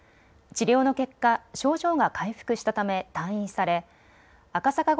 治療の結果、症状が回復したため退院され赤坂